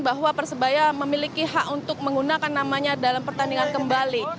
bahwa persebaya memiliki hak untuk menggunakan namanya dalam pertandingan kembali